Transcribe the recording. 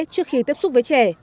trước khi tiếp xúc với trẻ